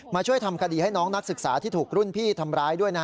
ช่วยทำคดีให้น้องนักศึกษาที่ถูกรุ่นพี่ทำร้ายด้วยนะ